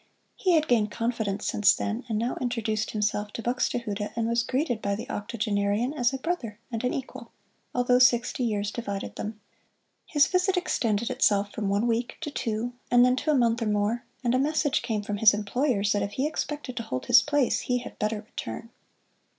He had gained confidence since then, and now introduced himself to Buxtehude and was greeted by the octogenarian as a brother and an equal, although sixty years divided them. His visit extended itself from one week to two, and then to a month or more, and a message came from his employers that if he expected to hold his place he had better return.